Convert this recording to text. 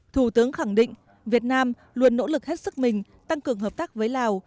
thủ tướng khẳng định việt nam luôn nỗ lực hết sức mình tăng cường hợp tác với lào